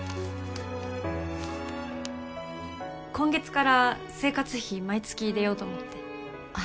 今月から生活費毎月入れようと思って。